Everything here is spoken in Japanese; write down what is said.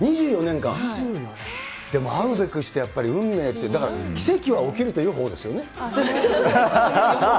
でも会うべくして運命って、奇跡は起きるというほうですよね。